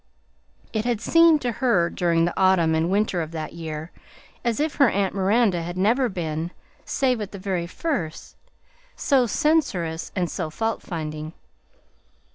It had seemed to her during the autumn and winter of that year as if her aunt Miranda had never been, save at the very first, so censorious and so fault finding.